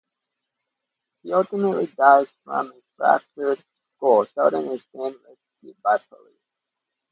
She ultimately dies of a fractured skull; Sheldon is then rescued by police.